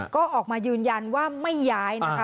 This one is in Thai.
ก็ออกมายืนยันว่าไม่ย้ายนะคะ